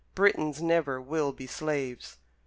Britons never will be slaves!